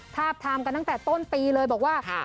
ทาบทามกันตั้งแต่ต้นปีเลยบอกว่า